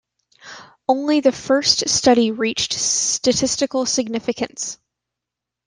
Only the first study reached statistical significance.